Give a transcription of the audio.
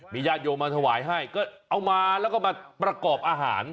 ญาติโยมมาถวายให้ก็เอามาแล้วก็มาประกอบอาหาร